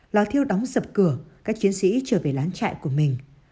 lo thiêu đóng sập cửa các chiến sĩ trở về lán trại của mình